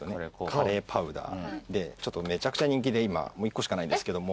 カレーパウダーでめちゃくちゃ人気で今もう１個しかないんですけども。